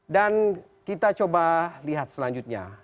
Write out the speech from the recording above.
dan kita coba lihat selanjutnya